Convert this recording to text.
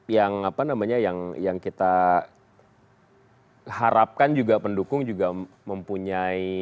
yang apa namanya yang kita harapkan juga pendukung juga mempunyai